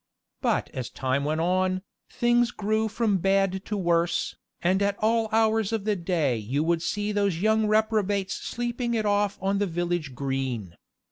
But as time went on, things grew from bad to worse, and at all hours of the day you would see those young reprobates sleeping it off on the village green.